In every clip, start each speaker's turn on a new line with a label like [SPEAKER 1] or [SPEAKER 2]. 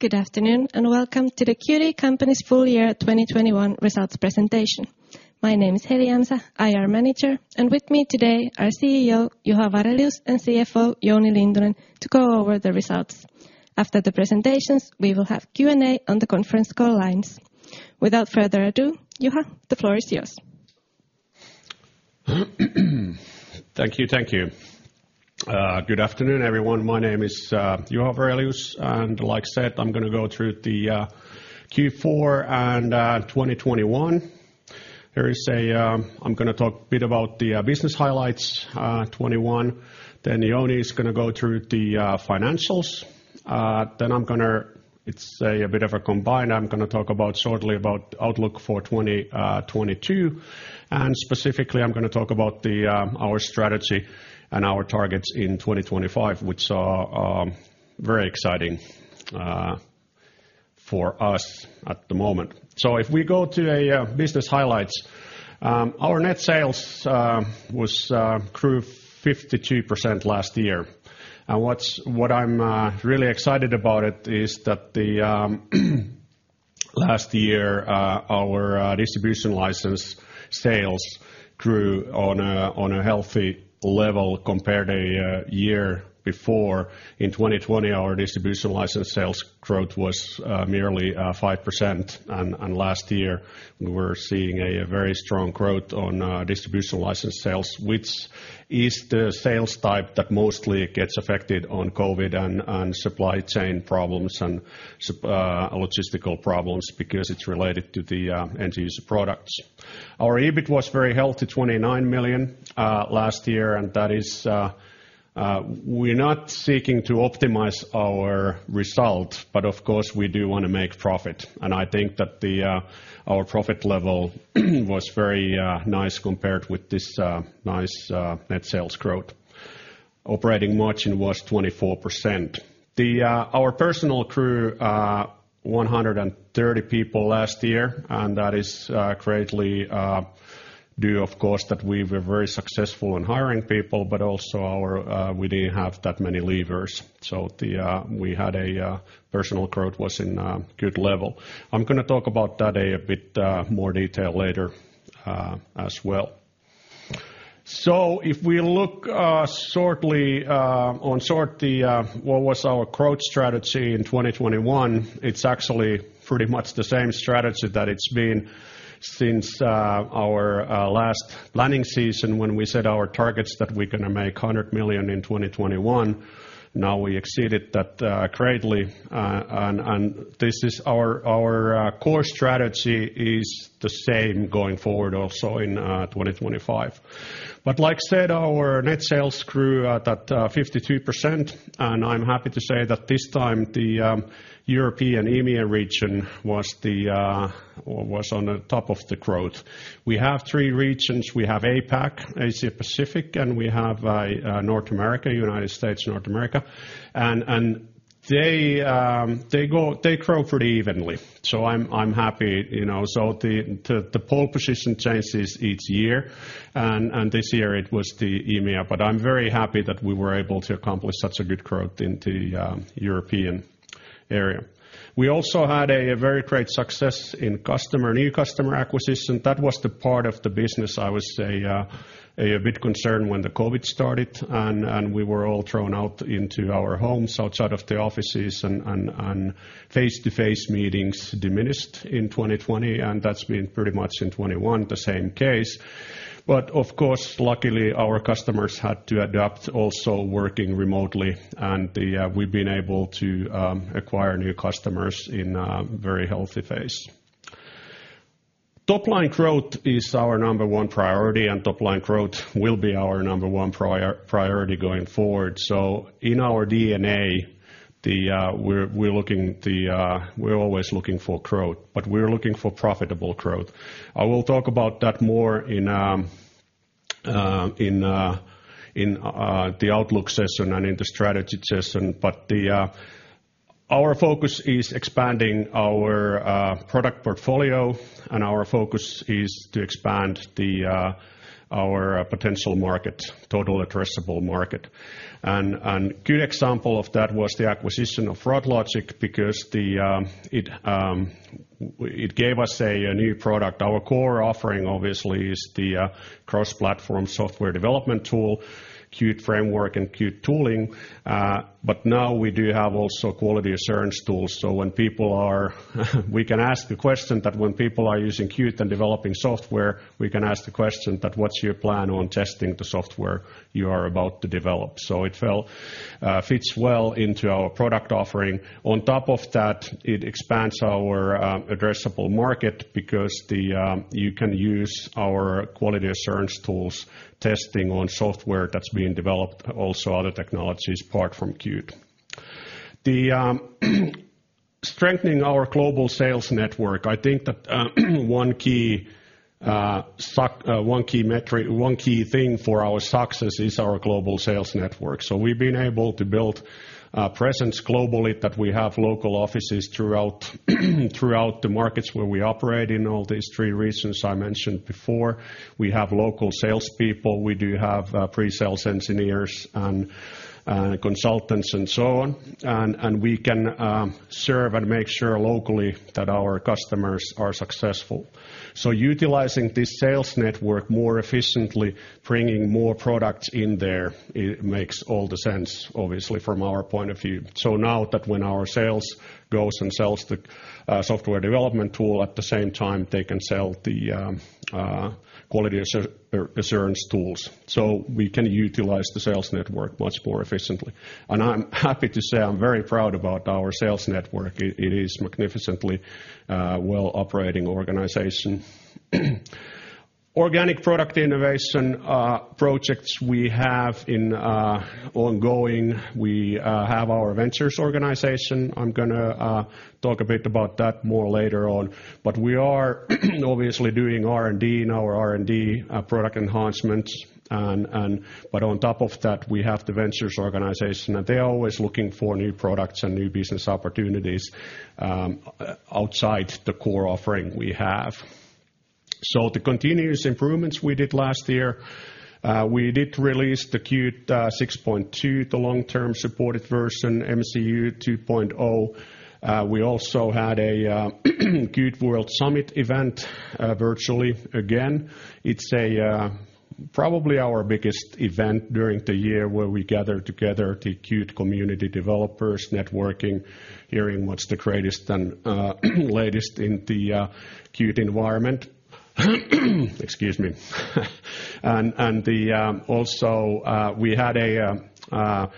[SPEAKER 1] Good afternoon, and welcome to the Qt Group's Full Year 2021 Results Presentation. My name is Heli Jämsä, IR Manager, and with me today are CEO Juha Varelius and CFO Jouni Lintunen to go over the results. After the presentations, we will have Q&A on the conference call lines. Without further ado, Juha, the floor is yours.
[SPEAKER 2] Thank you. Good afternoon, everyone. My name is Juha Varelius, and as said, I'm gonna go through the Q4 and 2021. I'm gonna talk a bit about the business highlights 2021, then Jouni is gonna go through the financials. Then I'm gonna talk shortly about outlook for 2022, and specifically I'm gonna talk about our strategy and our targets in 2025, which are very exciting for us at the moment. If we go to business highlights, our net sales grew 52% last year. What I'm really excited about is that last year our distribution license sales grew at a healthy level compared to the year before. In 2020 our distribution license sales growth was merely 5%, and last year we were seeing a very strong growth in distribution license sales, which is the sales type that mostly gets affected by COVID and supply chain problems and logistical problems because it's related to the end user products. Our EBIT was very healthy, 29 million last year, and that is, we're not seeking to optimize our result, but of course we do wanna make profit. I think that our profit level was very nice compared with this nice net sales growth. Operating margin was 24%. Our personnel 130 people last year, and that is greatly due, of course, that we were very successful in hiring people, but also we didn't have that many leavers. We had personnel growth at a good level. I'm gonna talk about that a bit in more detail later as well. If we look briefly at our growth strategy in 2021, it's actually pretty much the same strategy that it's been since our last planning season when we set our targets that we're gonna make 100 million in 2021. Now we exceeded that greatly, and our core strategy is the same going forward also in 2025. Like I said, our net sales grew at 52%, and I'm happy to say that this time the European EMEA region was on the top of the growth. We have three regions. We have APAC, Asia Pacific, and we have North America, United States, North America. They grow pretty evenly. I'm happy, you know. The pole position changes each year and this year it was the EMEA. I'm very happy that we were able to accomplish such a good growth in the European area. We also had a very great success in new customer acquisition. That was the part of the business I was a bit concerned when the COVID started and we were all thrown out into our homes outside of the offices and face-to-face meetings diminished in 2020, and that's been pretty much in 2021 the same case. Of course, luckily, our customers had to adapt also working remotely and we've been able to acquire new customers in a very healthy phase. Top line growth is our number one priority, and top line growth will be our number one priority going forward. In our D&A, we're always looking for growth, but we're looking for profitable growth. I will talk about that more in the outlook session and in the strategy session. Our focus is expanding our product portfolio and our focus is to expand our potential market, total addressable market. Good example of that was the acquisition of froglogic because it gave us a new product. Our core offering obviously is the cross-platform software development tool, Qt Framework and Qt tooling. But now we do have also quality assurance tools. When people are using Qt and developing software, what's your plan on testing the software you are about to develop? It fits well into our product offering. On top of that, it expands our addressable market because you can use our quality assurance tools testing on software that's being developed, also other technologies apart from Qt. Strengthening our global sales network. I think that one key metric, one key thing for our success is our global sales network. We've been able to build presence globally that we have local offices throughout the markets where we operate in all these three regions I mentioned before. We have local salespeople. We do have pre-sales engineers and consultants and so on. We can serve and make sure locally that our customers are successful. Utilizing this sales network more efficiently, bringing more products in there, it makes all the sense, obviously, from our point of view. Now that when our sales goes and sells the software development tool, at the same time, they can sell the quality assurance tools. We can utilize the sales network much more efficiently. I'm happy to say I'm very proud about our sales network. It is magnificently well operating organization. Organic product innovation projects we have ongoing. We have our ventures organization. I'm gonna talk a bit about that more later on. We are obviously doing R&D in our R&D product enhancements and but on top of that, we have the ventures organization, and they're always looking for new products and new business opportunities outside the core offering we have. The continuous improvements we did last year, we did release the Qt 6.2, the long-term supported version, Qt for MCUs 2.0. We also had a Qt World Summit event virtually again. It's probably our biggest event during the year where we gather together the Qt community developers, networking, hearing what's the greatest and latest in the Qt environment. We also had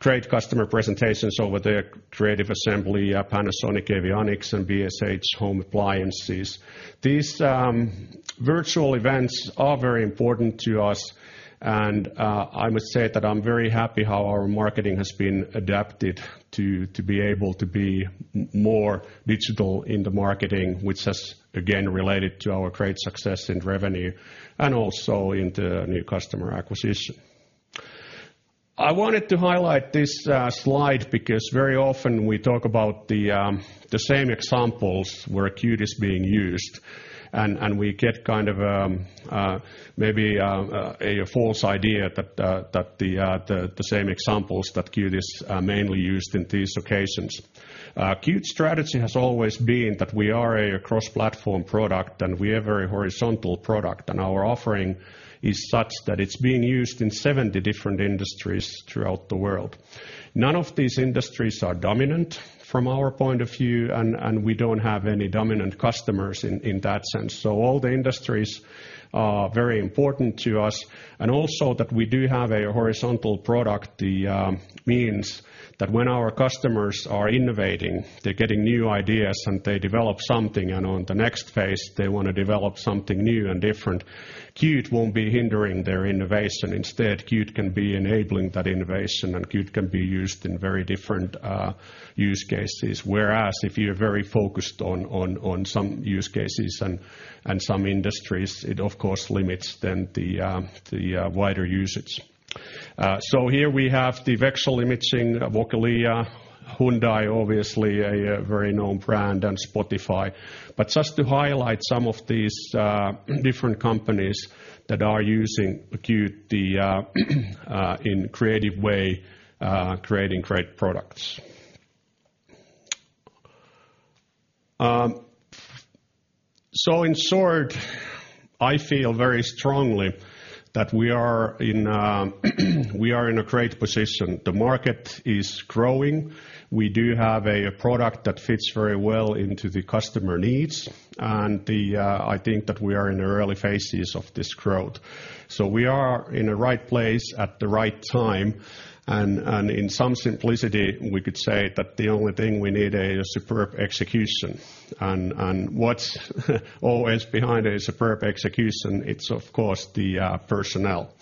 [SPEAKER 2] great customer presentations from the Creative Assembly, Panasonic Avionics and BSH Home Appliances. These virtual events are very important to us, and I must say that I'm very happy how our marketing has been adapted to be able to be more digital in the marketing, which has again related to our great success in revenue and also in the new customer acquisition. I wanted to highlight this slide because very often we talk about the same examples where Qt is being used, and we get kind of a false idea that the same examples that Qt is mainly used in these occasions. Qt strategy has always been that we are a cross-platform product, and we are a very horizontal product, and our offering is such that it's being used in 70 different industries throughout the world. None of these industries are dominant from our point of view, and we don't have any dominant customers in that sense. All the industries are very important to us. Also that we do have a horizontal product, it means that when our customers are innovating, they're getting new ideas and they develop something, and on the next phase, they wanna develop something new and different, Qt won't be hindering their innovation. Instead, Qt can be enabling that innovation, and Qt can be used in very different use cases. Whereas if you're very focused on some use cases and some industries, it of course limits then the wider usage. So here we have the Vexcel Imaging, Vocalea, Hyundai, obviously a very known brand, and Spotify. But just to highlight some of these different companies that are using Qt in creative way, creating great products. So in short, I feel very strongly that we are in a great position. The market is growing. We do have a product that fits very well into the customer needs. I think that we are in the early phases of this growth. We are in the right place at the right time, and in some simplicity, we could say that the only thing we need is a superb execution. What's always behind a superb execution is of course the personnel.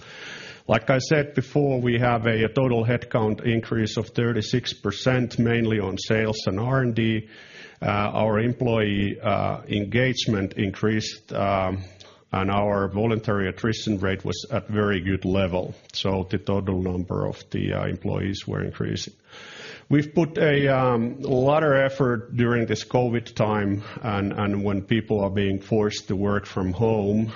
[SPEAKER 2] Like I said before, we have a total headcount increase of 36%, mainly on sales and R&D. Our employee engagement increased, and our voluntary attrition rate was at very good level. The total number of the employees were increasing. We've put a lot of effort during this COVID time and when people are being forced to work from home,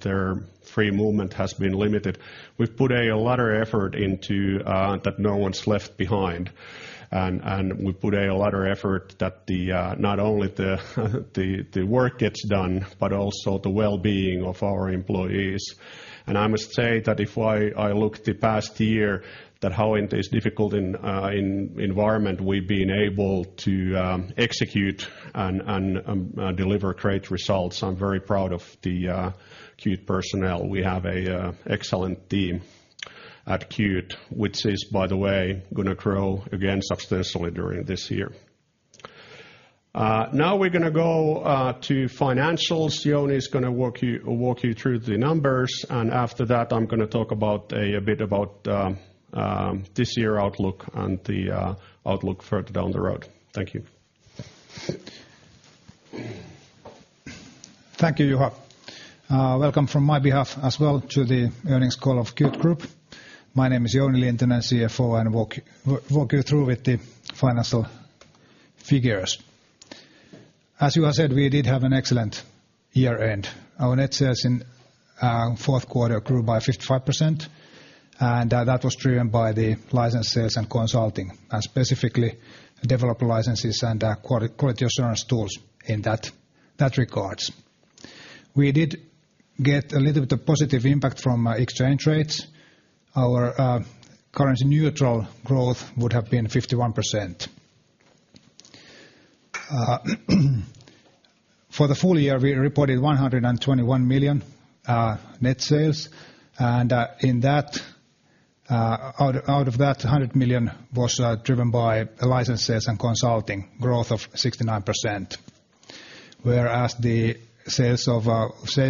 [SPEAKER 2] their free movement has been limited. We've put a lot of effort into that no one's left behind and that not only the work gets done, but also the well-being of our employees. I must say that if I look at the past year, how in this difficult environment we've been able to execute and deliver great results, I'm very proud of the Qt personnel. We have an excellent team at Qt, which is, by the way, gonna grow again substantially during this year. Now we're gonna go to financials. Jouni is gonna walk you through the numbers, and after that, I'm gonna talk a bit about this year's outlook and the outlook further down the road. Thank you.
[SPEAKER 3] Thank you, Juha. Welcome from my behalf as well to the earnings call of Qt Group. My name is Jouni Lintunen, CFO, and walk you through the financial figures. As you have said, we did have an excellent year-end. Our net sales in fourth quarter grew by 55%, and that was driven by the license sales and consulting, and specifically developer licenses and quality assurance tools in that regards. We did get a little bit of positive impact from exchange rates. Our currency neutral growth would have been 51%. For the full year, we reported 121 million net sales, and out of that, 100 million was driven by license sales and consulting growth of 69%. Whereas the sales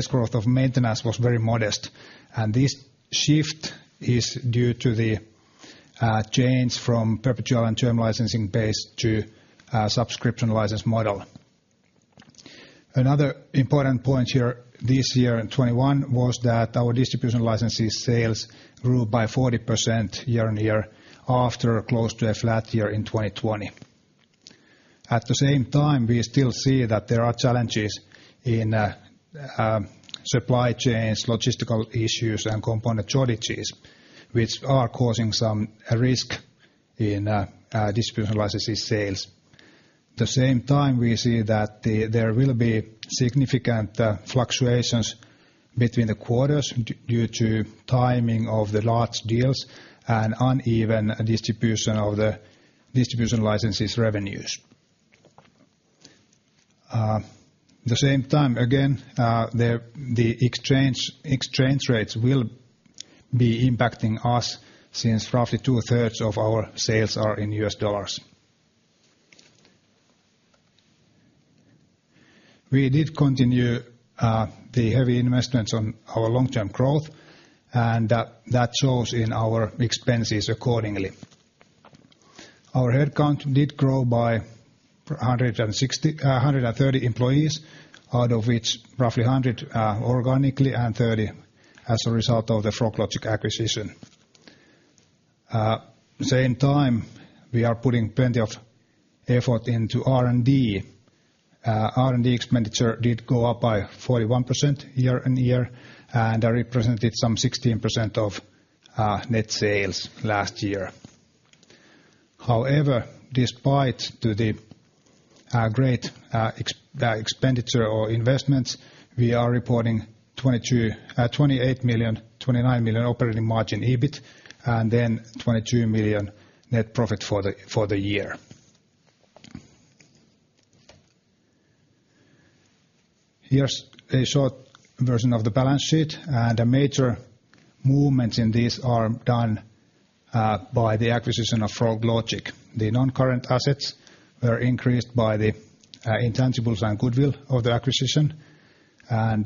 [SPEAKER 3] growth of maintenance was very modest, and this shift is due to the change from perpetual and term licensing base to a subscription license model. Another important point here this year in 2021 was that our distribution licenses sales grew by 40% year-on-year after close to a flat year in 2020. At the same time, we still see that there are challenges in supply chains, logistical issues, and component shortages, which are causing some risk in distribution licenses sales. The same time we see that there will be significant fluctuations between the quarters due to timing of the large deals and uneven distribution of the distribution licenses' revenues. The same time again, the exchange rates will be impacting us since roughly 2/3 of our sales are in U.S. dollars. We did continue the heavy investments on our long-term growth, and that shows in our expenses accordingly. Our headcount did grow by 130 employees, out of which roughly 100 organically and 30 as a result of the froglogic acquisition. At the same time, we are putting plenty of effort into R&D. R&D expenditure did go up by 41% year-over-year, and that represented some 16% of net sales last year. However, despite the great expenditure or investments, we are reporting 28 million EBIT, and then 22 million net profit for the year. Here's a short version of the balance sheet, and the major movements in these are driven by the acquisition of froglogic. The non-current assets were increased by the intangibles and goodwill of the acquisition and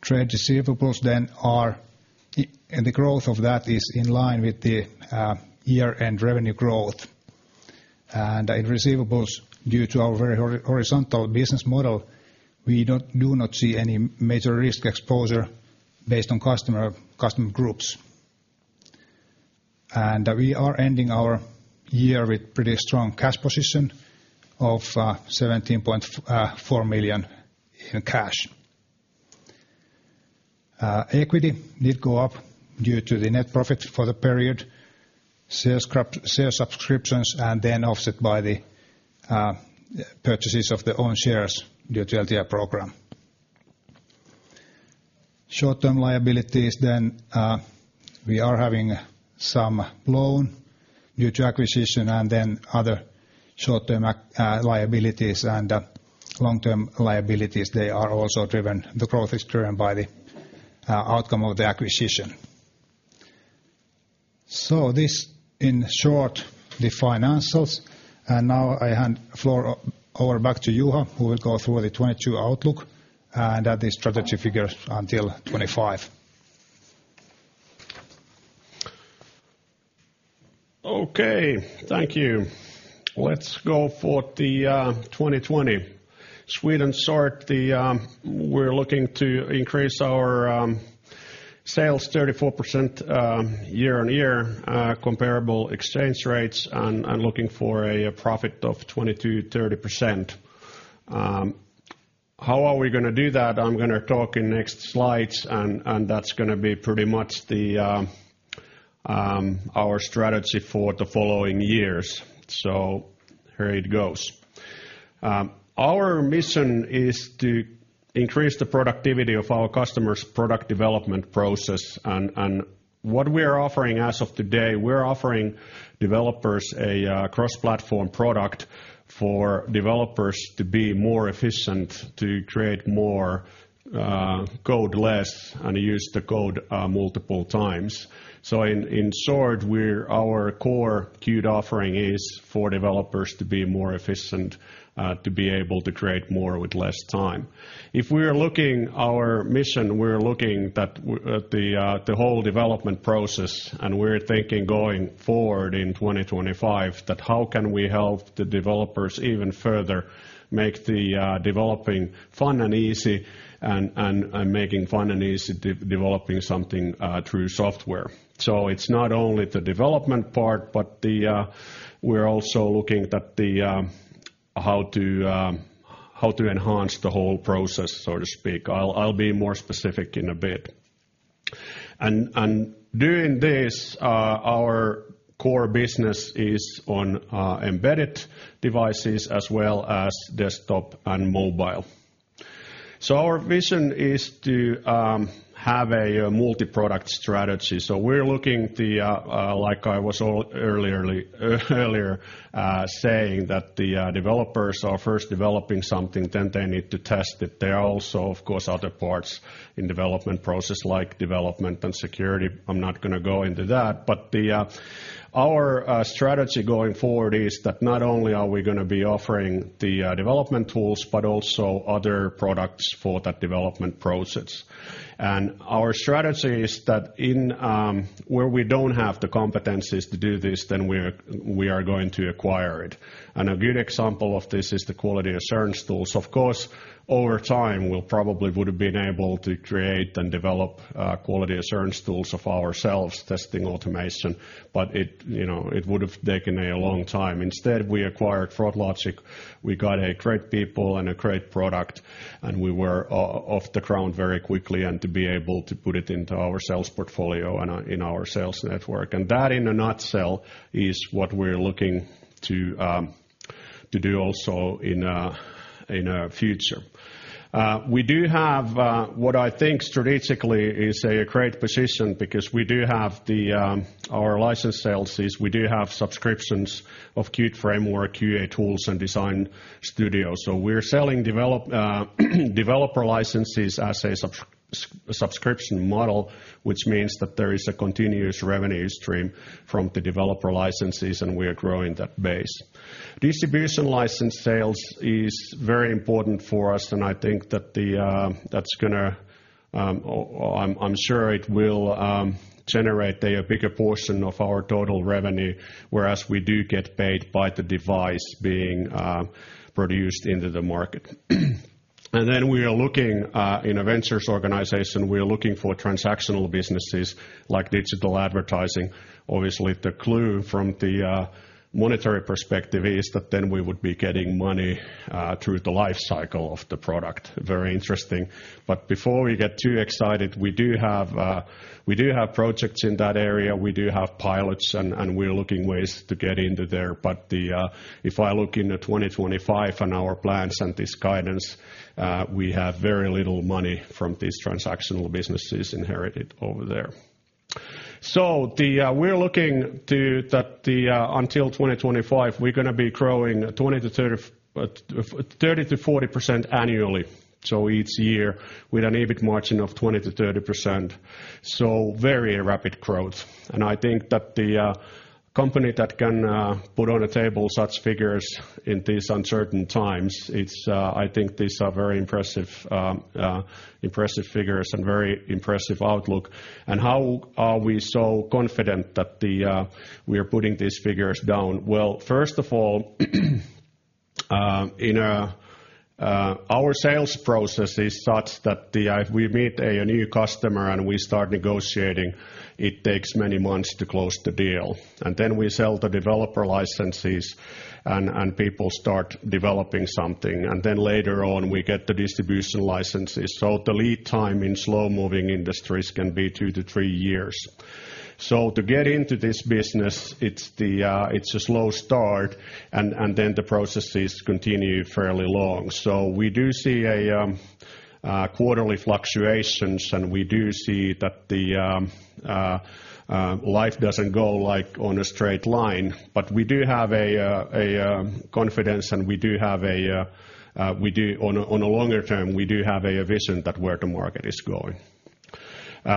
[SPEAKER 3] trade receivables and the growth of that is in line with the year-end revenue growth. In receivables, due to our very horizontal business model, we do not see any major risk exposure based on customer groups. We are ending our year with pretty strong cash position of 17.4 million in cash. Equity did go up due to the net profit for the period, share issue, share subscriptions, and then offset by the purchases of the own shares due to LTI program. Short-term liabilities, we are having some loan due to acquisition and then other short-term liabilities and the long-term liabilities, they are also driven, the growth is driven by the outcome of the acquisition. This in short the financials, and now I hand the floor over back to Juha, who will go through the 2022 outlook and the strategy figures until 2025.
[SPEAKER 2] Okay. Thank you. Let's go for the 2020. Sweet and short, we're looking to increase our sales 34% year-over-year comparable exchange rates and I'm looking for a profit of 20%-30%. How are we gonna do that? I'm gonna talk in next slides and that's gonna be pretty much our strategy for the following years. Here it goes. Our mission is to increase the productivity of our customers' product development process and what we are offering as of today, we're offering developers a cross-platform product for developers to be more efficient, to create more code less, and use the code multiple times. In short, our core Qt offering is for developers to be more efficient to be able to create more with less time. If we are looking at our mission, we're looking at the whole development process, and we're thinking going forward in 2025 that how can we help the developers even further make the developing fun and easy and making fun and easy developing something through software? It's not only the development part, but we're also looking at how to enhance the whole process, so to speak. I'll be more specific in a bit. Doing this, our core business is on embedded devices as well as desktop and mobile. Our vision is to have a multiproduct strategy. We're looking, like I was saying earlier, that the developers are first developing something, then they need to test it. There are also, of course, other parts in the development process like development and security. I'm not gonna go into that. Our strategy going forward is that not only are we gonna be offering the development tools, but also other products for that development process. Our strategy is that in where we don't have the competencies to do this, then we are going to acquire it. A good example of this is the quality assurance tools. Of course, over time, we'll probably would have been able to create and develop quality assurance tools for ourselves, test automation. But it, you know, it would have taken a long time. Instead, we acquired froglogic. We got a great people and a great product, and we were off the ground very quickly and to be able to put it into our sales portfolio and in our sales network. That in a nutshell is what we're looking to do also in our future. We do have what I think strategically is a great position because we do have our license sales. We do have subscriptions of Qt Framework, QA tools, and Design Studio. We're selling developer licenses as a subscription model, which means that there is a continuous revenue stream from the developer licenses, and we are growing that base. Distribution license sales is very important for us, and I think I'm sure it will generate a bigger portion of our total revenue, whereas we do get paid by the device being produced into the market. We are looking in a ventures organization for transactional businesses like digital advertising. Obviously, the clue from the monetary perspective is that then we would be getting money through the life cycle of the product. Very interesting. Before we get too excited, we do have projects in that area, we do have pilots and we're looking ways to get into there. If I look into 2025 and our plans and this guidance, we have very little money from these transactional businesses inherited over there. We're looking to see that until 2025, we're gonna be growing 30%-40% annually. Each year with an EBIT margin of 20%-30%, very rapid growth. I think that the company that can put on the table such figures in these uncertain times, it's, I think, these are very impressive figures and very impressive outlook. How are we so confident that we are putting these figures down? Well, first of all, in our sales process is such that we meet a new customer and we start negotiating. It takes many months to close the deal. Then we sell the developer licenses and people start developing something. Then later on, we get the distribution licenses. The lead time in slow-moving industries can be two-three years. To get into this business, it's a slow start and then the processes continue fairly long. We do see quarterly fluctuations, and we do see that the life doesn't go like on a straight line. We do have confidence and we do, on a longer term, have a vision of where the market is going.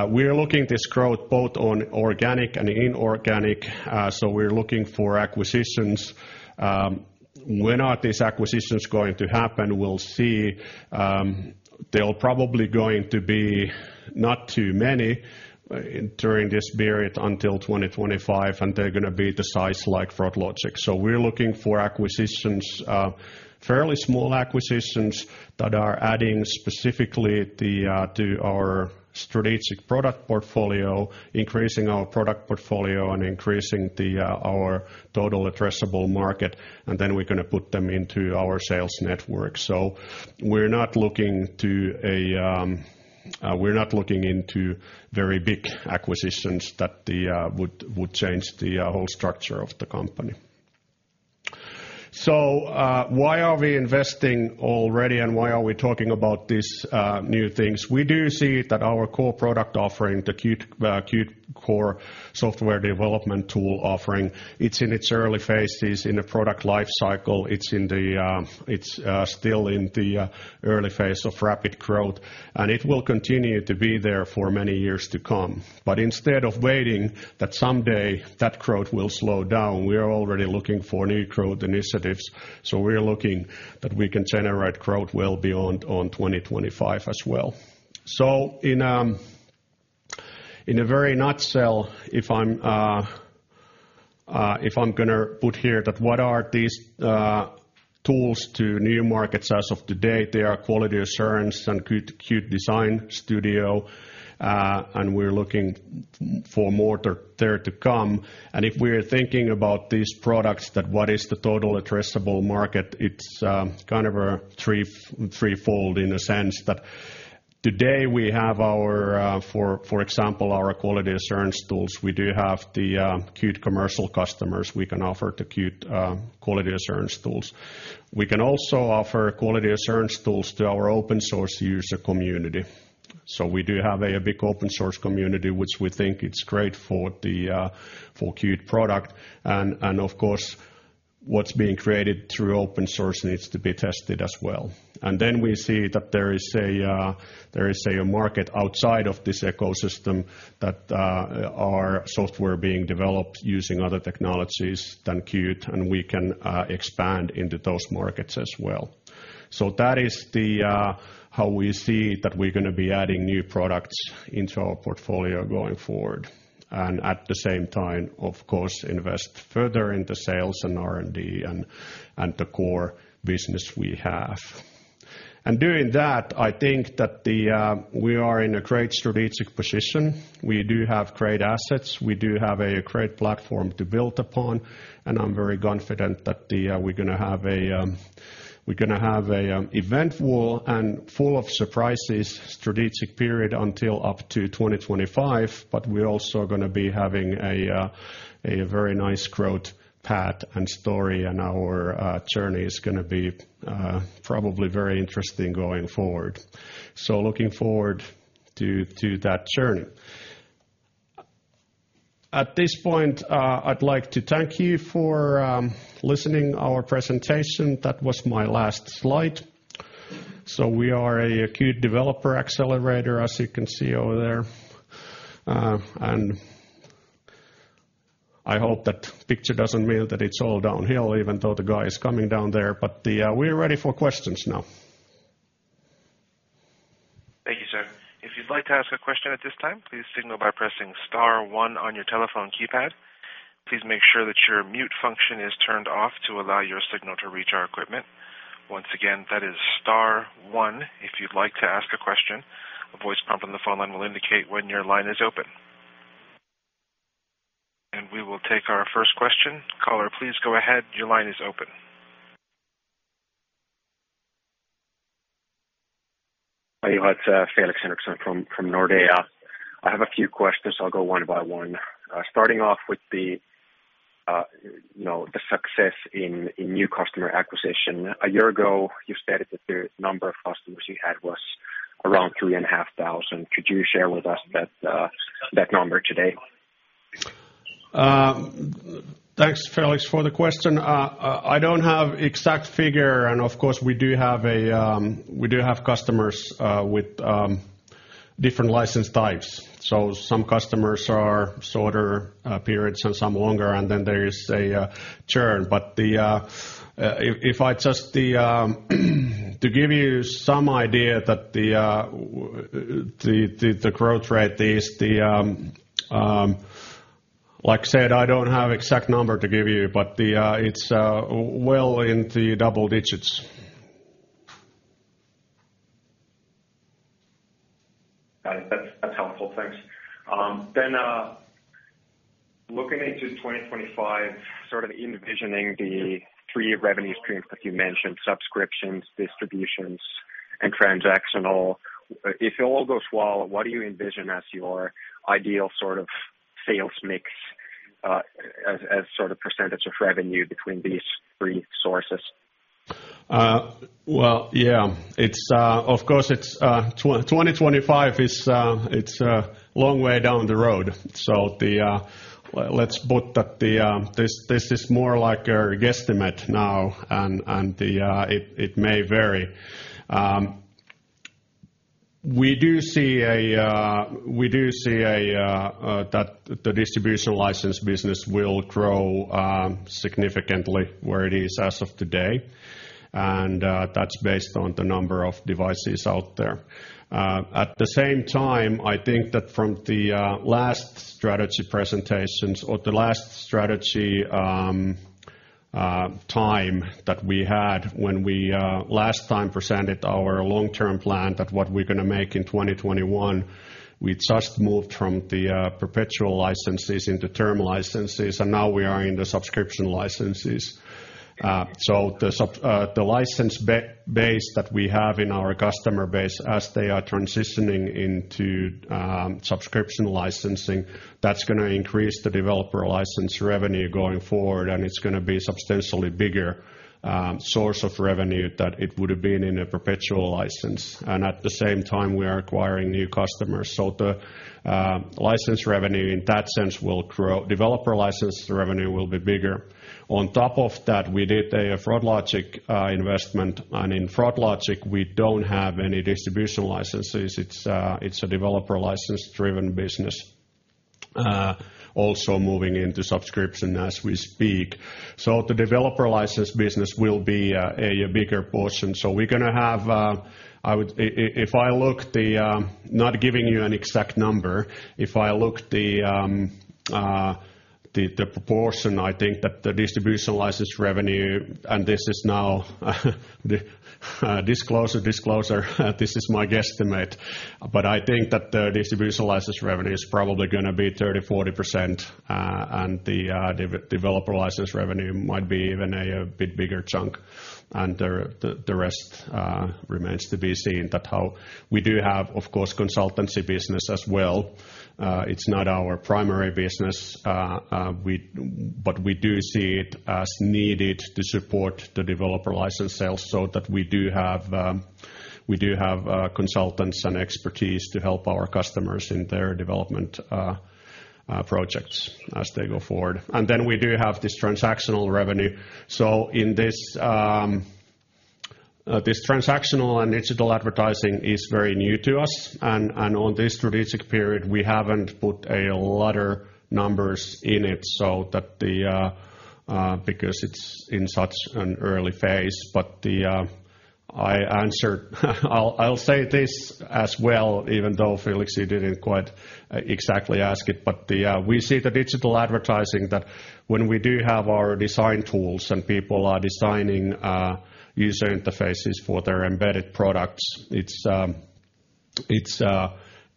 [SPEAKER 2] We are looking at this growth both on organic and inorganic, so we're looking for acquisitions. When are these acquisitions going to happen? We'll see. They'll probably going to be not too many during this period until 2025, and they're gonna be the size like froglogic. We're looking for acquisitions, fairly small acquisitions that are adding specifically to our strategic product portfolio, increasing our product portfolio and increasing our total addressable market, and then we're gonna put them into our sales network. We're not looking into very big acquisitions that would change the whole structure of the company. Why are we investing already and why are we talking about these new things? We do see that our core product offering, the Qt core software development tool offering, it's in its early phases in the product life cycle. It's still in the early phase of rapid growth, and it will continue to be there for many years to come. Instead of waiting that someday that growth will slow down, we are already looking for new growth initiatives. We are looking that we can generate growth well beyond 2025 as well. In a nutshell, if I'm gonna put here that what are these tools to new markets as of today, they are quality assurance and Qt Design Studio, and we're looking for more there to come. If we're thinking about these products that what is the total addressable market, it's kind of a threefold in a sense that. Today we have our, for example, our quality assurance tools. We do have the Qt commercial customers we can offer to Qt quality assurance tools. We can also offer quality assurance tools to our open source user community. We do have a big open source community, which we think it's great for the Qt product. Of course, what's being created through open source needs to be tested as well. We see that there is a market outside of this ecosystem that our software being developed using other technologies than Qt, and we can expand into those markets as well. That is the how we see that we're gonna be adding new products into our portfolio going forward, and at the same time, of course, invest further into sales and R&D and the core business we have. Doing that, I think that the we are in a great strategic position. We do have great assets, we do have a great platform to build upon, and I'm very confident that we're gonna have a eventful and full of surprises strategic period until up to 2025, but we're also gonna be having a very nice growth path and story and our journey is gonna be probably very interesting going forward. Looking forward to that journey. At this point, I'd like to thank you for listening to our presentation. That was my last slide. We are a Qt developer accelerator, as you can see over there. I hope that picture doesn't mean that it's all downhill, even though the guy is coming down there, but we're ready for questions now.
[SPEAKER 4] Thank you, sir. If you'd like to ask a question at this time, please signal by pressing star one on your telephone keypad. Please make sure that your mute function is turned off to allow your signal to reach our equipment. Once again, that is star one, if you'd like to ask a question. A voice prompt on the phone line will indicate when your line is open. We will take our first question. Caller, please go ahead. Your line is open.
[SPEAKER 5] Hi, it's Felix Henriksson from Nordea. I have a few questions. I'll go one by one. Starting off with, you know, the success in new customer acquisition. A year ago, you stated that the number of customers you had was around 3,500. Could you share with us that number today?
[SPEAKER 2] Thanks, Felix, for the question. I don't have exact figure, and of course, we do have customers with different license types. Some customers are shorter periods and some longer, and then there is churn. Like I said, I don't have exact number to give you, but it's well into double digits.
[SPEAKER 5] Got it. That's helpful. Thanks. Then, looking into 2025, sort of envisioning the three revenue streams that you mentioned, subscriptions, distributions, and transactional, if it all goes well, what do you envision as your ideal sort of sales mix, as sort of percentage of revenue between these three sources?
[SPEAKER 2] Well, yeah. It's of course 2025 is a long way down the road. Let's put that this is more like a guesstimate now and it may vary. We do see that the distribution license business will grow significantly where it is as of today, and that's based on the number of devices out there. At the same time, I think that from the last strategy presentations or the last strategy time that we had when we last time presented our long-term plan that what we're gonna make in 2021, we just moved from the perpetual licenses into term licenses, and now we are in the subscription licenses. The license base that we have in our customer base as they are transitioning into subscription licensing, that's gonna increase the developer license revenue going forward, and it's gonna be substantially bigger source of revenue than it would've been in a perpetual license. At the same time, we are acquiring new customers. The license revenue in that sense will grow. Developer license revenue will be bigger. On top of that, we did a froglogic investment, and in froglogic, we don't have any distribution licenses. It's a developer license-driven business, also moving into subscription as we speak. The developer license business will be a bigger portion. If I look at the proportion, not giving you an exact number, I think that the Distribution license revenue, and this is now disclosure, this is my guesstimate, but I think that the Distribution license revenue is probably gonna be 30%-40%, and the developer license revenue might be even a bit bigger chunk. The rest remains to be seen how we do. Of course, we have consultancy business as well. It's not our primary business, but we do see it as needed to support the developer license sales so that we do have consultants and expertise to help our customers in their development projects as they go forward. We do have this transactional revenue. In this transactional and digital advertising is very new to us and on this strategic period, we haven't put a lot of numbers in it because it's in such an early phase. I answered, I'll say this as well, even though Felix, you didn't quite exactly ask it, but we see the digital advertising that when we do have our design tools and people are designing user interfaces for their embedded products, it's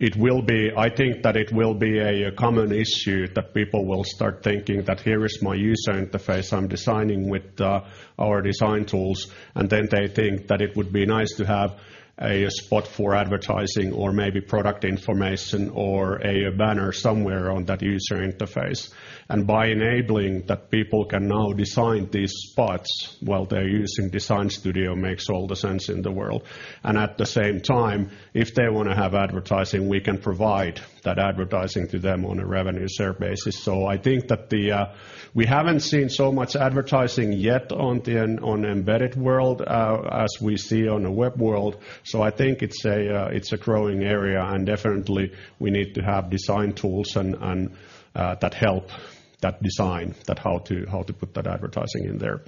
[SPEAKER 2] it will be. I think that it will be a common issue that people will start thinking that here is my user interface I'm designing with our design tools, and then they think that it would be nice to have a spot for advertising or maybe product information or a banner somewhere on that user interface. By enabling that people can now design these spots while they're using Design Studio makes all the sense in the world. At the same time, if they wanna have advertising, we can provide that advertising to them on a revenue share basis. I think that we haven't seen so much advertising yet on the embedded world as we see on the web world. I think it's a growing area, and definitely we need to have design tools that help design how to put that advertising in there.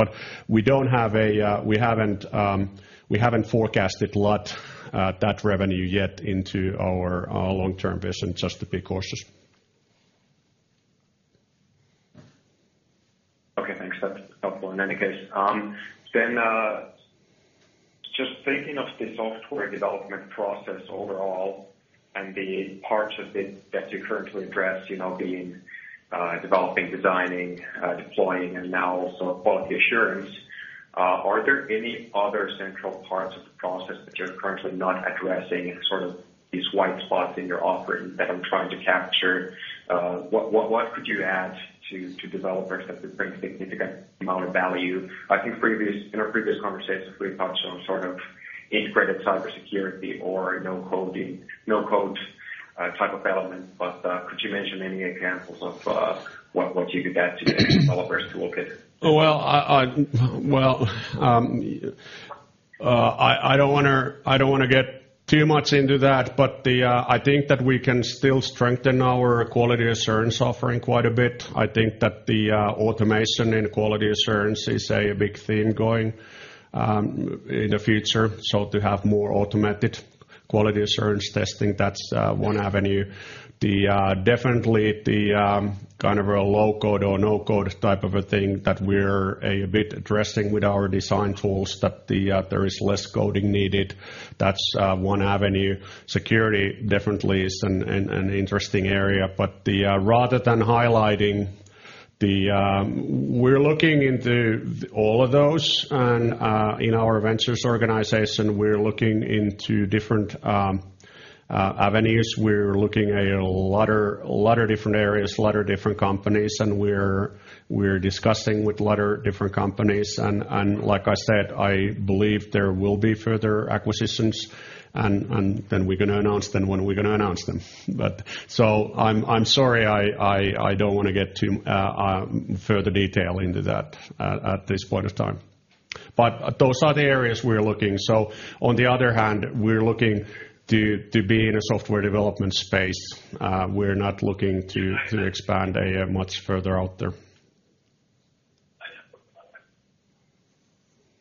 [SPEAKER 2] We haven't forecasted a lot of that revenue yet into our long-term vision, just to be cautious.
[SPEAKER 5] Okay, thanks. That's helpful in any case. Then, just thinking of the software development process overall and the parts of it that you currently address, you know, being developing, designing, deploying, and now also quality assurance, are there any other central parts of the process that you're currently not addressing and sort of these white spots in your offering that I'm trying to capture? What could you add to developers that would bring significant amount of value? I think in our previous conversations, we've touched on sort of integrated cybersecurity or no coding, no-code type of element. Could you mention any examples of what you could add to the developers toolkit?
[SPEAKER 2] Well, I don't wanna get too much into that, but I think that we can still strengthen our quality assurance offering quite a bit. I think that the automation in quality assurance is a big thing going in the future. To have more automated quality assurance testing, that's one avenue. Kind of a low-code or no-code type of a thing that we're a bit addressing with our design tools that there is less coding needed. That's one avenue. Security definitely is an interesting area. Rather than highlighting the, we're looking into all of those and in our ventures organization, we're looking into different avenues. We're looking at a lot of different areas, a lot of different companies, and we're discussing with a lot of different companies. Like I said, I believe there will be further acquisitions and then we're gonna announce them when we're gonna announce them. I'm sorry, I don't wanna get too far into detail at this point in time. Those are the areas we're looking. On the other hand, we're looking to be in a software development space. We're not looking to.
[SPEAKER 5] I know.
[SPEAKER 2] To expand a much further out there.
[SPEAKER 5] I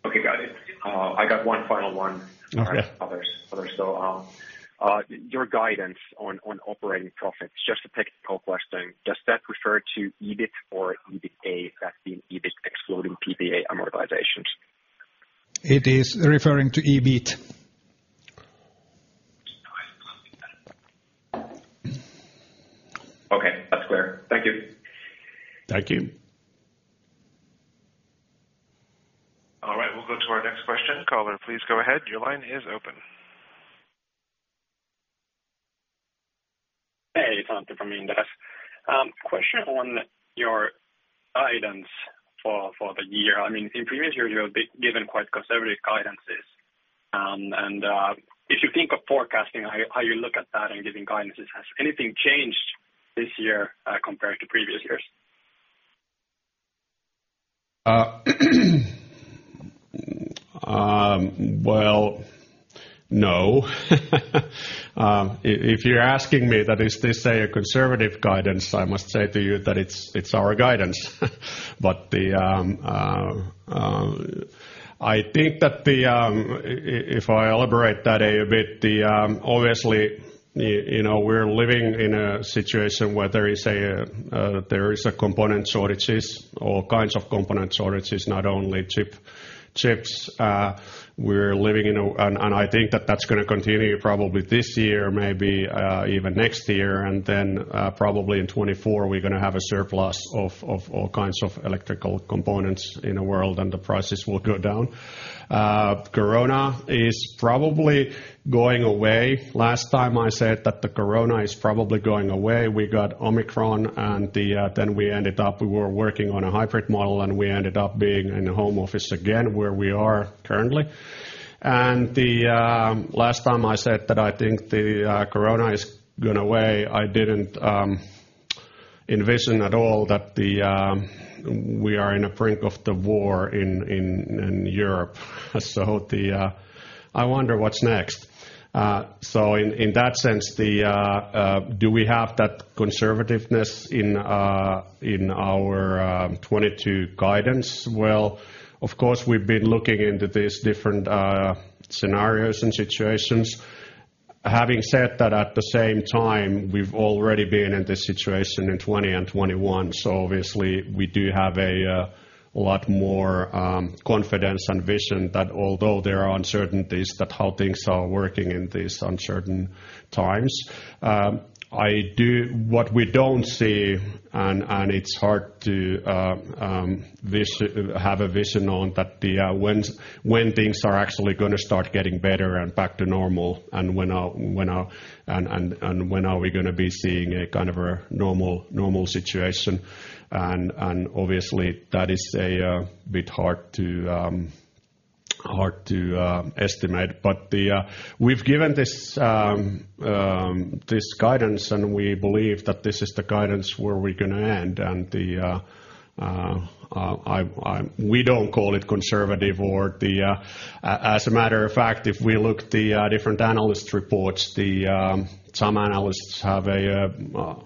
[SPEAKER 5] know. Okay, got it. I got one final one.
[SPEAKER 2] Okay.
[SPEAKER 5] Your guidance on operating profits, just a technical question, does that refer to EBIT or EBITA, that being EBIT excluding PPA amortizations?
[SPEAKER 3] It is referring to EBIT.
[SPEAKER 5] Okay, that's clear. Thank you.
[SPEAKER 2] Thank you.
[SPEAKER 4] All right, we'll go to our next question. Caller, please go ahead. Your line is open.
[SPEAKER 6] Hey, it's Antti Luiro from Inderes. Question on your guidance for the year. I mean, in previous years, you have been given quite conservative guidances. If you think of forecasting, how you look at that and giving guidances, has anything changed this year compared to previous years?
[SPEAKER 2] No. If you're asking me that is this a conservative guidance, I must say to you that it's our guidance. I think that if I elaborate that a bit, obviously, you know, we're living in a situation where there is a component shortages, all kinds of component shortages, not only chips. I think that that's gonna continue probably this year, maybe even next year. Probably in 2024, we're gonna have a surplus of all kinds of electrical components in the world, and the prices will go down. Corona is probably going away. Last time I said that the COVID is probably going away, we got Omicron and then we ended up, we were working on a hybrid model, and we ended up being in a home office again, where we are currently. Last time I said that I think the COVID is going away, I didn't envision at all that we are on the brink of the war in Europe. I wonder what's next. In that sense, do we have that conservativeness in our 2022 guidance? Well, of course, we've been looking into these different scenarios and situations. Having said that, at the same time, we've already been in this situation in 2020 and 2021. Obviously we do have a lot more confidence and vision that although there are uncertainties that how things are working in these uncertain times. What we don't see, and it's hard to have a vision on that when things are actually gonna start getting better and back to normal and when we are gonna be seeing a kind of a normal situation. Obviously that is a bit hard to estimate. We've given this guidance, and we believe that this is the guidance where we're gonna end. We don't call it conservative or the As a matter of fact, if we look at the different analyst reports, some analysts have a,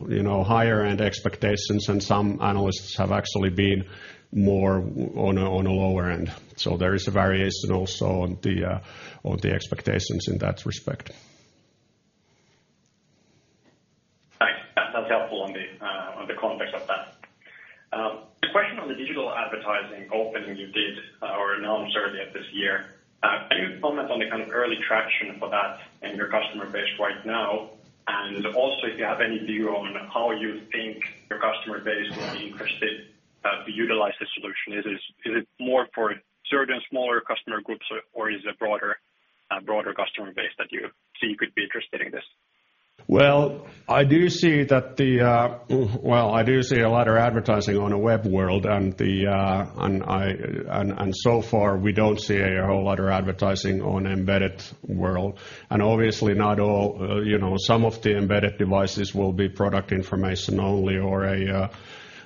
[SPEAKER 2] you know, higher end expectations, and some analysts have actually been more on a lower end. There is a variation also on the expectations in that respect.
[SPEAKER 6] Thanks. That's helpful on the context of that. The question on the digital advertising opening you did or announced earlier this year, can you comment on the kind of early traction for that in your customer base right now? Also if you have any view on how you think your customer base will be interested to utilize this solution. Is it more for certain smaller customer groups or is it broader customer base that you see could be interested in this?
[SPEAKER 2] Well, I do see a lot of advertising on the web world and so far we don't see a whole lot of advertising on embedded world. Obviously not all, you know, some of the embedded devices will be product information only or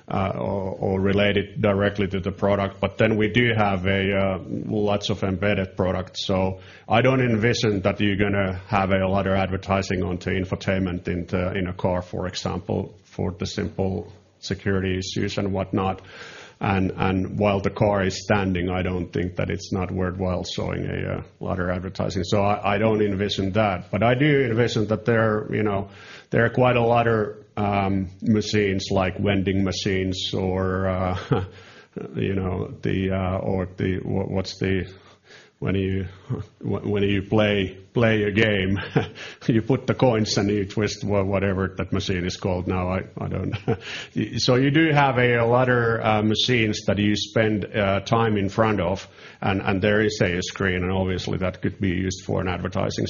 [SPEAKER 2] related directly to the product. We do have lots of embedded products. I don't envision that you're gonna have a lot of advertising onto infotainment into in a car, for example, for the simple security issues and whatnot. While the car is standing, I don't think that it's not worthwhile showing a lot of advertising. I don't envision that. I do envision that there, you know, there are quite a lot of machines like vending machines or, you know, the, or the, what's the. When you play a game, you put the coins and you twist whatever that machine is called now, I don't know. You do have a lot of machines that you spend time in front of, and there is a screen, and obviously that could be used for advertising.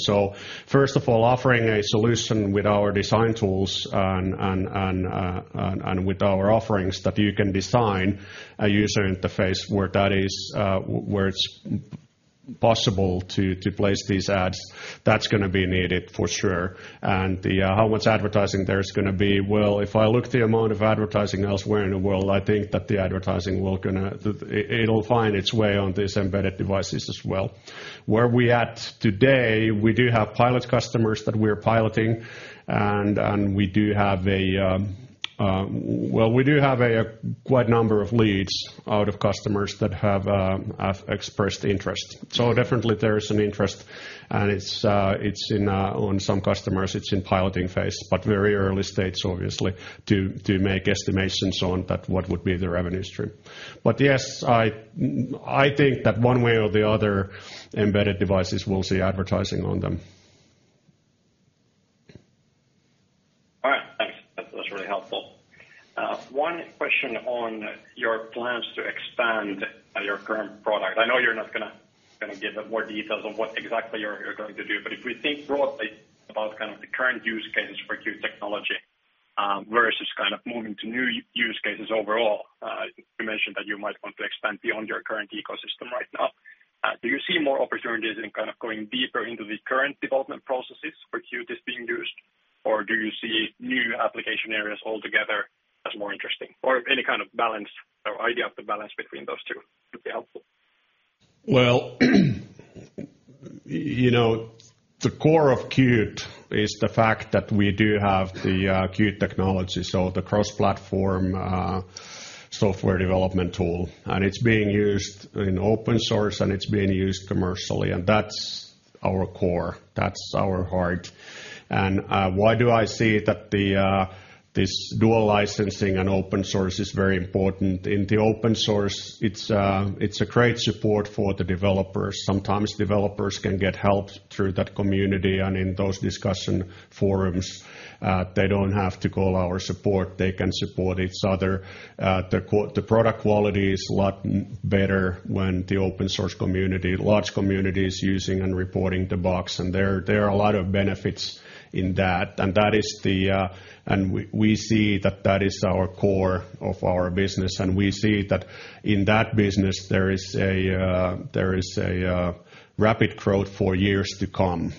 [SPEAKER 2] First of all, offering a solution with our design tools and with our offerings that you can design a user interface where that is, where it's possible to place these ads, that's gonna be needed for sure. How much advertising there is gonna be, well, if I look at the amount of advertising elsewhere in the world, I think that the advertising will find its way on these embedded devices as well. Where we at today, we do have pilot customers that we're piloting, and we do have a quite a number of leads from customers that have expressed interest. Definitely there is an interest, and it's in on some customers, it's in piloting phase, but very early stage obviously to make estimations on what would be the revenue stream. Yes, I think that one way or the other embedded devices will see advertising on them.
[SPEAKER 6] All right. Thanks. That's really helpful. One question on your plans to expand your current product. I know you're not gonna give more details on what exactly you're going to do. If we think broadly about kind of the current use cases for Qt technology, versus kind of moving to new use cases overall, you mentioned that you might want to expand beyond your current ecosystem right now. Do you see more opportunities in kind of going deeper into the current development processes for Qt is being used? Or do you see new application areas altogether as more interesting? Or any kind of balance or idea of the balance between those two would be helpful.
[SPEAKER 2] Well, you know, the core of Qt is the fact that we do have the Qt technology, so the cross-platform software development tool, and it's being used in open source, and it's being used commercially, and that's our core, that's our heart. Why do I say that this dual licensing and open source is very important? In the open source, it's a great support for the developers. Sometimes developers can get help through that community and in those discussion forums, they don't have to call our support, they can support each other. The product quality is a lot better when the open source community, large community is using and reporting the bugs, and there are a lot of benefits in that. We see that is the core of our business, and we see that in that business there is rapid growth for years to come.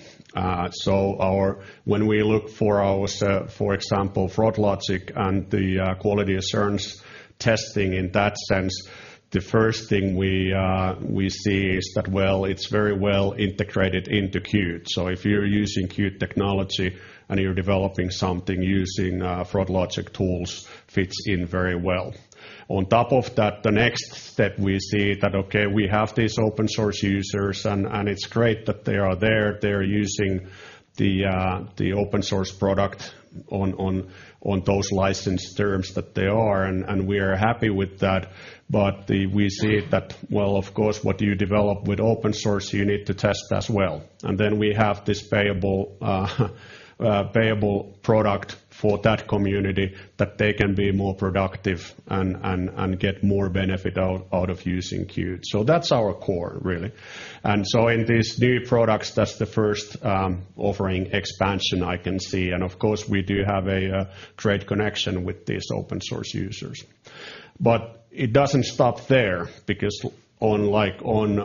[SPEAKER 2] When we look for our, for example, froglogic and the quality assurance testing in that sense, the first thing we see is that, well, it's very well integrated into Qt. So if you're using Qt technology and you're developing something using froglogic tools, fits in very well. On top of that, the next step we see that we have these open source users and it's great that they are there. They're using the open source product on those license terms that they are, and we are happy with that. We see that well, of course, what you develop with open source, you need to test as well. We have this payable product for that community that they can be more productive and get more benefit out of using Qt. That's our core really. In these new products, that's the first offering expansion I can see. Of course, we do have a trade connection with these open source users. It doesn't stop there because on, like, on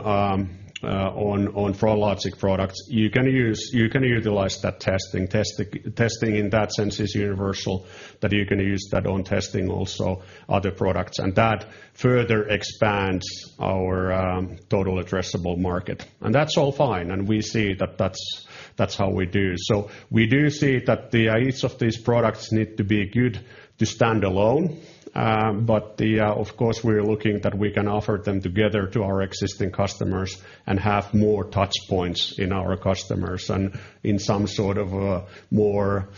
[SPEAKER 2] froglogic products, you can utilize that testing. Testing in that sense is universal, that you can use that on testing also other products, and that further expands our total addressable market. That's all fine, and we see that that's how we do. We do see that each of these products need to be good to stand alone, but the, of course, we're looking that we can offer them together to our existing customers and have more touchpoints in our customers and in some sort of a more,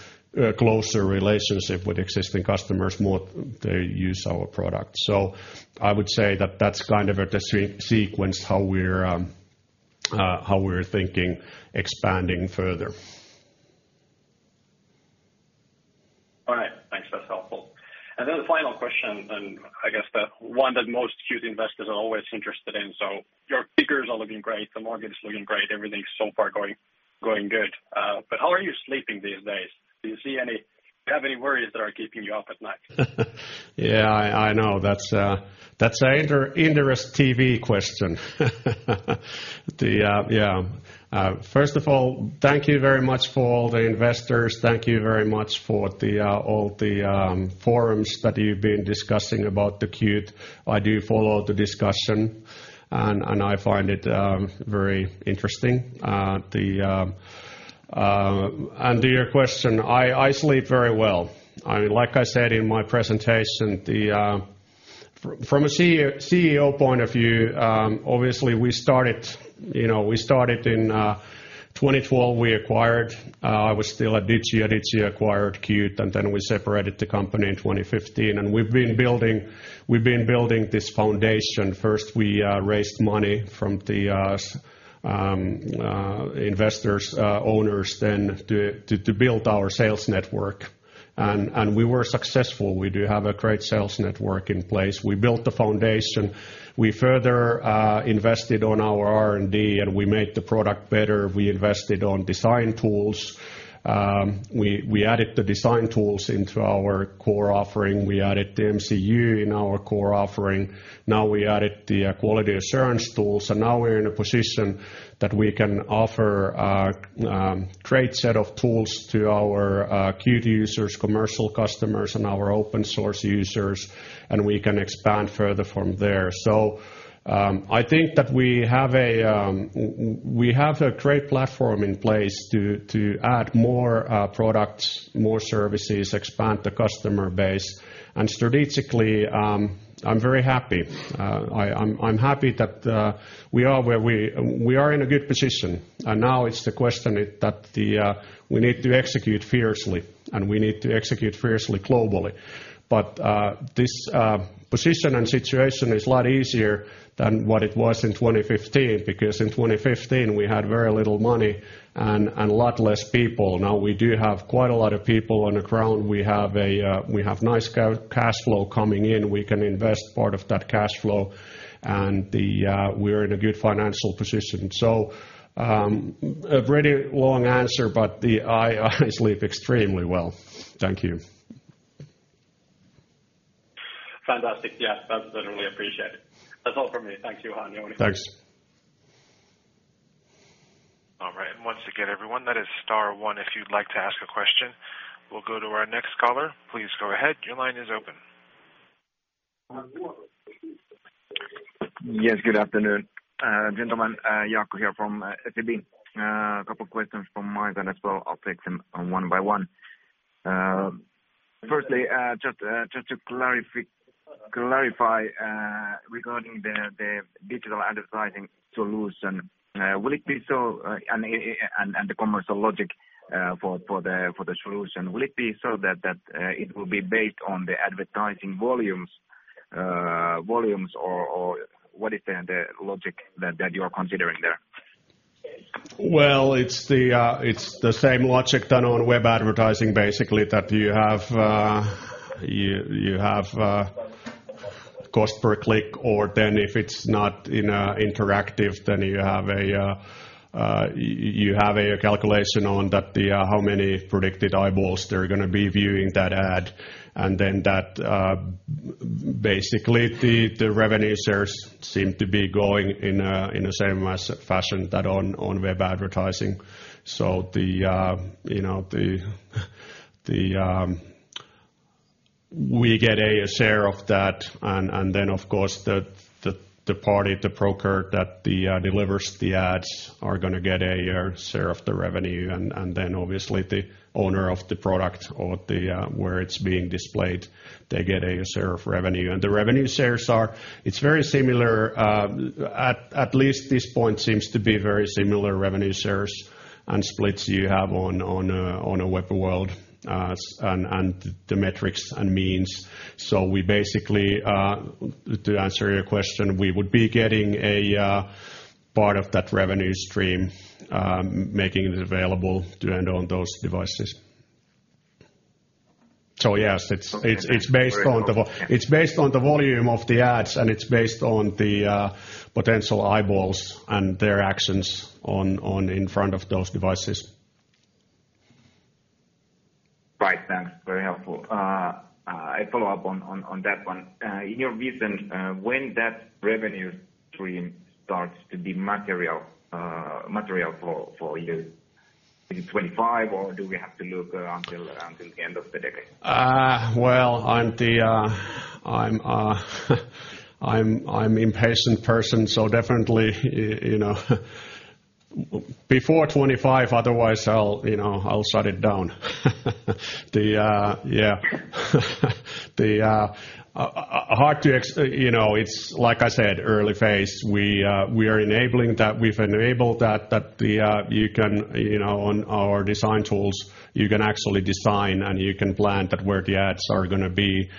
[SPEAKER 2] closer relationship with existing customers more they use our product. I would say that that's kind of the sequence how we're thinking expanding further.
[SPEAKER 6] All right. Thanks. That's helpful. The final question, and I guess the one that most Qt investors are always interested in, so your figures are looking great, the market is looking great, everything so far going good. But how are you sleeping these days? Do you have any worries that are keeping you up at night?
[SPEAKER 2] Yeah, I know. That's an interesting question. First of all, thank you very much for all the investors. Thank you very much for all the forums that you've been discussing about the Qt. I do follow the discussion and I find it very interesting. To your question, I sleep very well. I mean, like I said in my presentation, from a CEO point of view, obviously we started, you know, we started in 2012. I was still at Digia. Digia acquired Qt, and then we separated the company in 2015, and we've been building this foundation. First, we raised money from the investors, owners then to build our sales network. We were successful. We do have a great sales network in place. We built the foundation. We further invested on our R&D, and we made the product better. We invested on design tools. We added the design tools into our core offering. We added the MCU in our core offering. Now we added the quality assurance tools, and now we're in a position that we can offer a great set of tools to our Qt users, commercial customers, and our open source users, and we can expand further from there. I think that we have a great platform in place to add more products, more services, expand the customer base. Strategically, I'm very happy. I'm happy that we are where we are in a good position. Now it's the question that we need to execute fiercely, and we need to execute fiercely globally. This position and situation is a lot easier than what it was in 2015, because in 2015, we had very little money and a lot less people. Now, we do have quite a lot of people on the ground. We have nice cash flow coming in. We can invest part of that cash flow, and we're in a good financial position. A pretty long answer, but I sleep extremely well. Thank you.
[SPEAKER 6] Fantastic. Yeah. That's really appreciated. That's all for me. Thank you, Juha Varelius. Over to you.
[SPEAKER 2] Thanks.
[SPEAKER 4] All right. Once again, everyone, that is star one, if you'd like to ask a question. We'll go to our next caller. Please go ahead. Your line is open.
[SPEAKER 7] Yes, good afternoon. Gentlemen, Jaakko here from SEB. A couple of questions from me, and as well, I'll take them one by one. Firstly, just to clarify, regarding the digital advertising solution, will it be so, and the commercial logic for the solution, will it be so that it will be based on the advertising volumes or what is the logic that you are considering there?
[SPEAKER 2] Well, it's the same logic done on web advertising, basically, that you have cost per click, or then if it's not interactive, then you have a calculation on that, the how many predicted eyeballs they're gonna be viewing that ad. Then that basically, the revenue shares seem to be going in a, in the same fashion that on web advertising. You know, we get a share of that, and then of course the party, the broker that delivers the ads are gonna get a share of the revenue. Then obviously the owner of the product or where it's being displayed, they get a share of revenue. The revenue shares are very similar, at least at this point seems to be very similar revenue shares and splits you have on a web world and the metrics and means. We basically, to answer your question, we would be getting a part of that revenue stream, making it available to end-users on those devices. Yes, it's based on the volume of the ads, and it's based on the potential eyeballs and their actions in front of those devices.
[SPEAKER 7] Right, thanks. Very helpful. I follow up on that one. In your vision, when that revenue stream starts to be material for you, is it 2025 or do we have to look until the end of the decade?
[SPEAKER 2] Well, I'm an impatient person, so definitely, you know, before 2025, otherwise I'll, you know, I'll shut it down. Yeah. It's hard to explain, you know, it's like I said, early phase. We are enabling that. We've enabled that you can, you know, on our design tools, you can actually design and you can plan that where the ads are gonna be.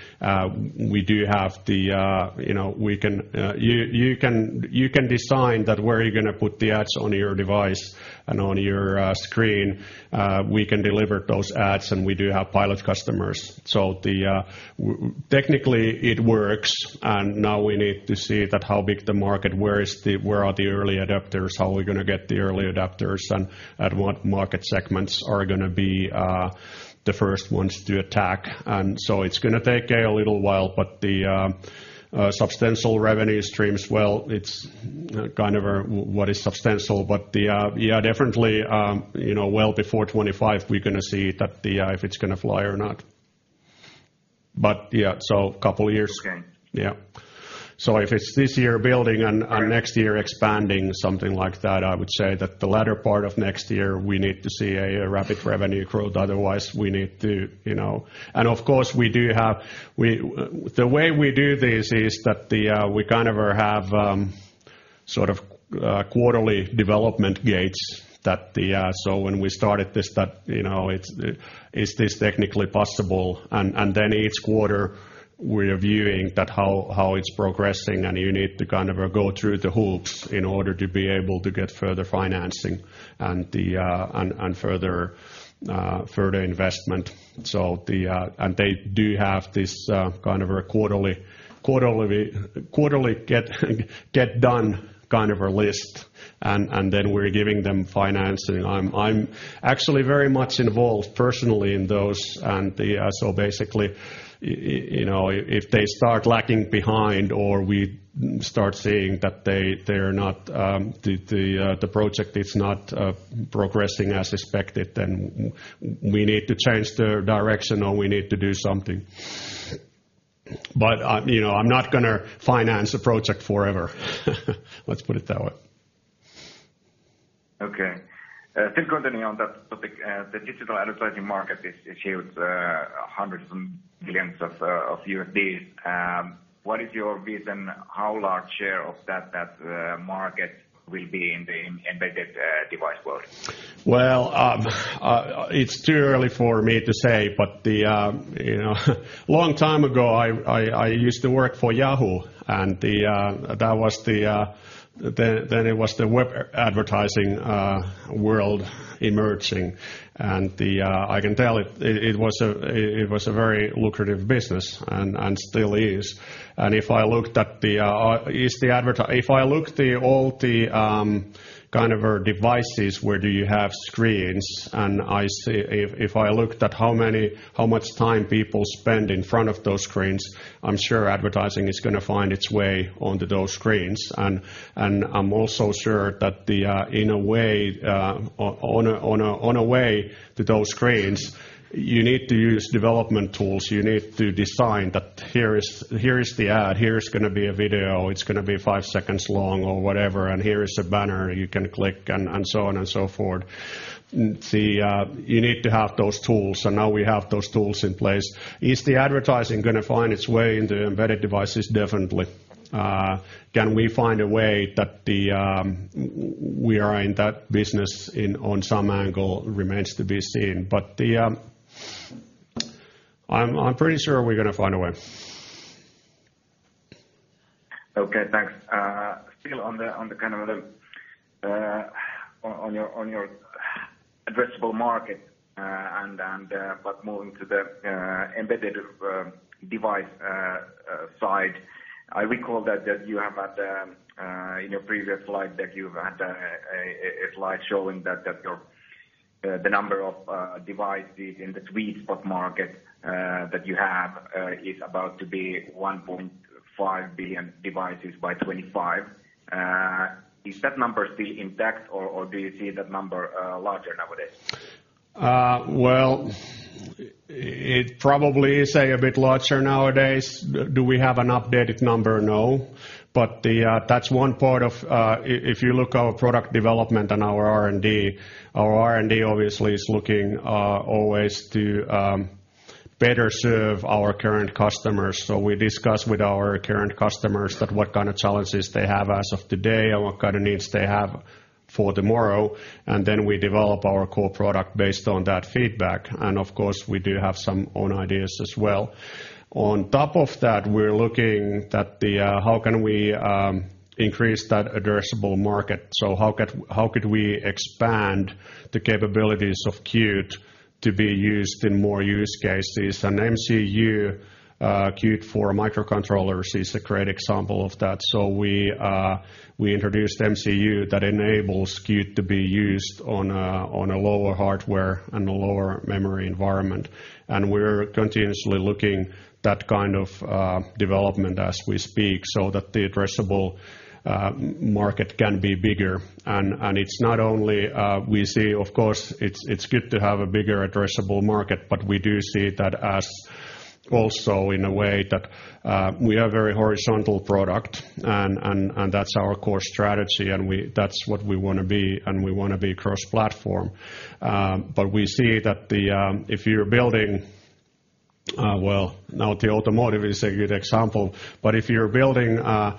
[SPEAKER 2] We do have the, you know, we can, you can design that where you're gonna put the ads on your device and on your screen. We can deliver those ads and we do have pilot customers. Technically it works, and now we need to see that how big the market, where is the, where are the early adopters, how are we gonna get the early adopters, and at what market segments are gonna be the first ones to attack. It's gonna take a little while, but the substantial revenue streams, well, it's kind of our what is substantial. Yeah, definitely, you know, well before 2025 we're gonna see that the if it's gonna fly or not. Couple years.
[SPEAKER 7] Okay.
[SPEAKER 2] Yeah. If it's this year building and next year expanding something like that, I would say that the latter part of next year we need to see a rapid revenue growth otherwise we need to, you know. The way we do this is that we kind of have sort of quarterly development gates that the so when we started this that, you know, is this technically possible. Then each quarter we're viewing that how it's progressing, and you need to kind of go through the hoops in order to be able to get further financing and further investment. They do have this kind of a quarterly get done kind of a list, and then we're giving them financing. I'm actually very much involved personally in those. Basically, you know, if they start lagging behind or we start seeing that the project is not progressing as expected, then we need to change the direction or we need to do something. You know, I'm not gonna finance a project forever. Let's put it that way.
[SPEAKER 7] Okay. Still continuing on that topic. The digital advertising market is huge, hundreds of billions dollars. What is your vision, how large share of that market will be in the embedded device world?
[SPEAKER 2] Well, it's too early for me to say, but you know, long time ago I used to work for Yahoo, and that was then it was the web advertising world emerging. I can tell it was a very lucrative business and still is. If I look at all the kind of devices where you have screens, if I looked at how much time people spend in front of those screens, I'm sure advertising is gonna find its way onto those screens. I'm also sure that in a way, on a way to those screens, you need to use development tools. You need to design that here is the ad, here is gonna be a video, it's gonna be five seconds long or whatever, and here is a banner you can click and so on and so forth. You need to have those tools. Now we have those tools in place. Is the advertising gonna find its way into embedded devices? Definitely. Can we find a way that we are in that business on some angle? It remains to be seen. I'm pretty sure we're gonna find a way.
[SPEAKER 7] Okay, thanks. Still on the kind of your addressable market, but more into the embedded device side. I recall that you have had in your previous slide that you've had a slide showing that the number of devices in the sweet spot market that you have is about to be 1.5 billion devices by 2025. Is that number still intact or do you see that number larger nowadays?
[SPEAKER 2] Well, it probably is a bit larger nowadays. Do we have an updated number? No. That's one part of if you look at our product development and our R&D. Our R&D obviously is looking always to better serve our current customers. We discuss with our current customers what kind of challenges they have as of today and what kind of needs they have for tomorrow, and then we develop our core product based on that feedback. Of course, we do have some own ideas as well. On top of that, we're looking at how we can increase that addressable market. How could we expand the capabilities of Qt to be used in more use cases? MCU, Qt for microcontrollers is a great example of that. We introduced MCU that enables Qt to be used on a lower hardware and a lower memory environment. We're continuously looking at that kind of development as we speak so that the addressable market can be bigger. It's not only, we see, of course, it's good to have a bigger addressable market, but we do see that as also in a way that we are very horizontal product, and that's our core strategy, and that's what we wanna be, and we wanna be cross-platform. We see that if you're building, well, now the automotive is a good example. If you're building a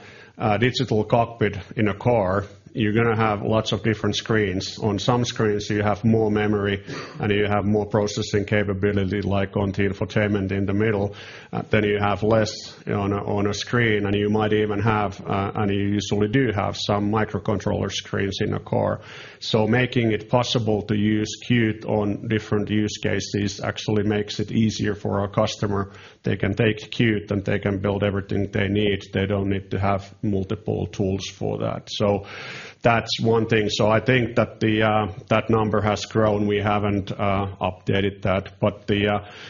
[SPEAKER 2] digital cockpit in a car, you're gonna have lots of different screens. On some screens, you have more memory, and you have more processing capability, like on the infotainment in the middle. You have less on a screen, and you usually do have some microcontroller screens in a car. Making it possible to use Qt on different use cases actually makes it easier for our customer. They can take Qt, and they can build everything they need. They don't need to have multiple tools for that. That's one thing. I think that the number has grown. We haven't updated that.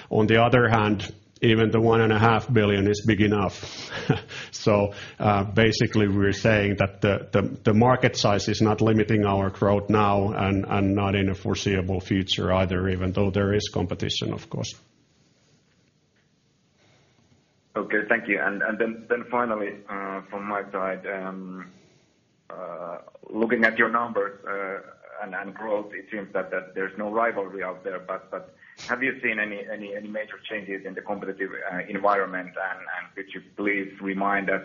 [SPEAKER 2] On the other hand, even the 1.5 billion is big enough. Basically, we're saying that the market size is not limiting our growth now and not in the foreseeable future either, even though there is competition, of course.
[SPEAKER 7] Okay, thank you. Finally, from my side, looking at your numbers and growth, it seems that there's no rivalry out there. Have you seen any major changes in the competitive environment? Could you please remind us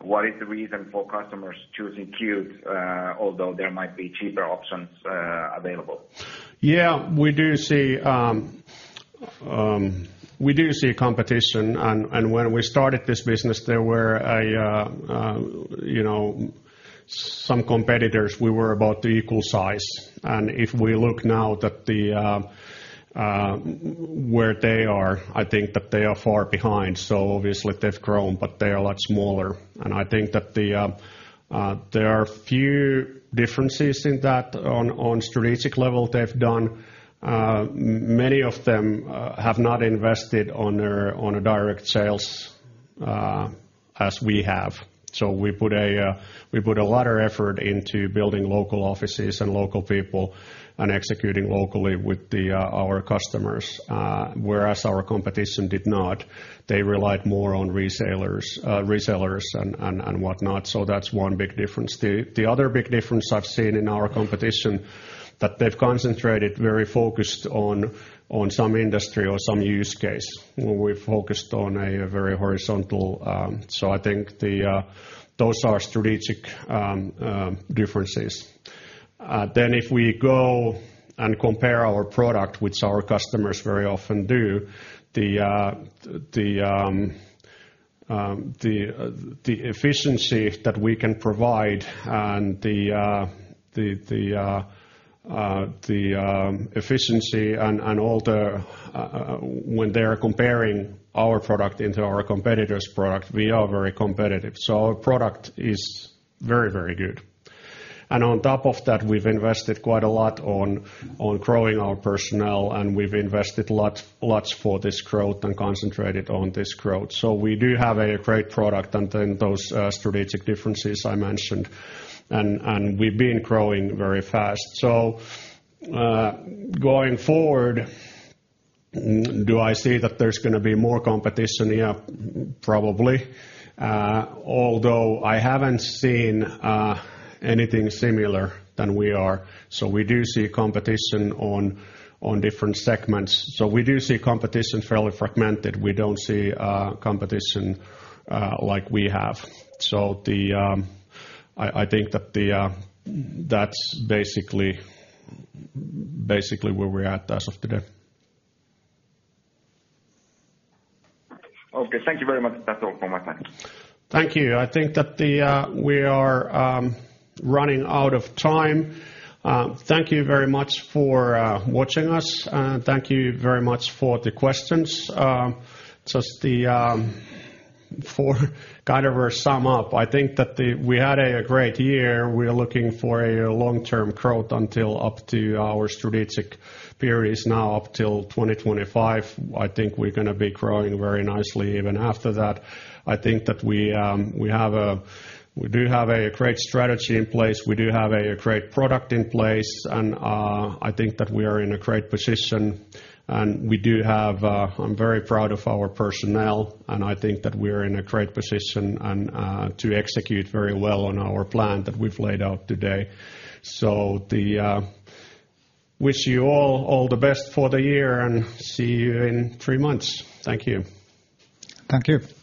[SPEAKER 7] what is the reason for customers choosing Qt, although there might be cheaper options available?
[SPEAKER 2] Yeah, we do see competition. When we started this business, there were, you know, some competitors, we were about the equal size. If we look now at where they are, I think that they are far behind. Obviously they've grown, but they are a lot smaller. I think that there are few differences in that on strategic level they've done. Many of them have not invested in direct sales as we have. We put a lot of effort into building local offices and local people and executing locally with our customers, whereas our competition did not. They relied more on resellers and whatnot. That's one big difference. The other big difference I've seen in our competition that they've concentrated very focused on some industry or some use case, where we're focused on a very horizontal. I think those are strategic differences. If we go and compare our product, which our customers very often do, the efficiency that we can provide and the efficiency when they are comparing our product to our competitor's product, we are very competitive. Our product is very, very good. On top of that, we've invested quite a lot on growing our personnel, and we've invested lots for this growth and concentrated on this growth. We do have a great product, and those strategic differences I mentioned. We've been growing very fast. Going forward, do I see that there's gonna be more competition? Yeah, probably. Although I haven't seen anything similar than we are. We do see competition on different segments. We do see competition fairly fragmented. We don't see competition like we have. I think that's basically where we're at as of today.
[SPEAKER 7] Okay, thank you very much. That's all for my time.
[SPEAKER 2] Thank you. I think that we are running out of time. Thank you very much for watching us. Thank you very much for the questions. Just for kind of a sum up, I think that we had a great year. We are looking for long-term growth up to our strategic period up till 2025. I think we're gonna be growing very nicely even after that. I think that we do have a great strategy in place. We do have a great product in place. I think that we are in a great position. I'm very proud of our personnel, and I think that we're in a great position to execute very well on our plan that we've laid out today. Wish you all the best for the year, and see you in three months. Thank you.
[SPEAKER 3] Thank you.
[SPEAKER 4] That is the conclusion of the conference.